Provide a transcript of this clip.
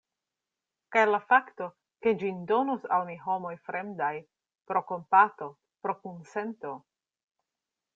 Kaj la fakto, ke ĝin donos al mi homoj fremdaj, pro kompato, pro kunsento?